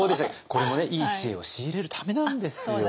これもいい知恵を仕入れるためなんですよ。